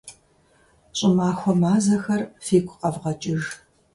ЩӀымахуэ мазэхэр фигу къэвгъэкӀыж.